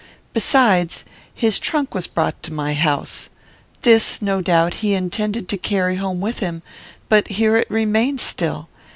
Besides, his trunk was brought to my house. This, no doubt, he intended to carry home with him, but here it remains still.